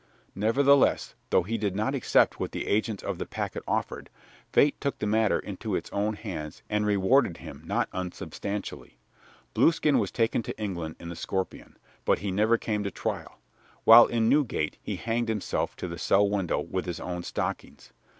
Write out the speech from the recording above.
Nevertheless, though he did not accept what the agents of the packet offered, fate took the matter into its own hands and rewarded him not unsubstantially. Blueskin was taken to England in the Scorpion. But he never came to trial. While in Newgate he hanged himself to the cell window with his own stockings.